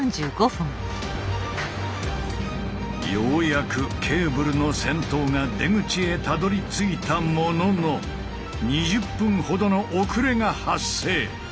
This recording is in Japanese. ようやくケーブルの先頭が出口へたどりついたものの２０分ほどの遅れが発生。